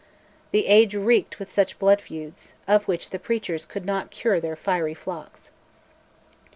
The age reeked with such blood feuds, of which the preachers could not cure their fiery flocks.